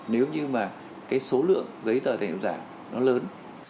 nếu như mà cái số lượng giấy tờ tài liệu giảm nó lớn